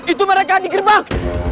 itu mereka di gerbang